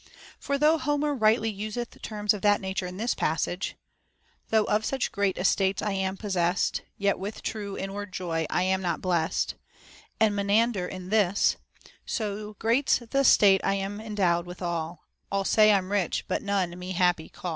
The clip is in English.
For, though Homer rightly useth terms of that nature in this passage, — Though of such great estates I am possest, Yet with true inward joy I am not blest ;§ and Menander in this, — So great's th' estate I am endowed withal : All say I'm rich, but none me happy call ;—* II.